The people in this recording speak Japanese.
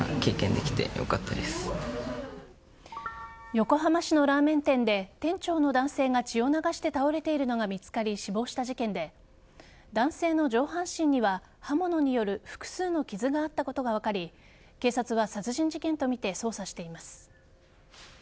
横浜市のラーメン店で店長の男性が、血を流して倒れているのが見つかり死亡した事件で男性の上半身には刃物による複数の傷があったことが分かり警察は殺人事件とみて捜査しています。